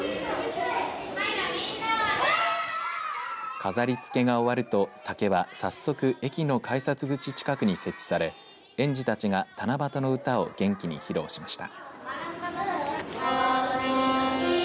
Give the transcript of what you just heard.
飾りつけが終わると竹は早速、駅の改札口近くに設置され、園児たちが七夕の歌を元気に披露しました。